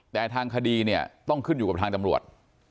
แต่ทางคดีเนี่ยต้องขึ้นอยู่กับทางตำรวจ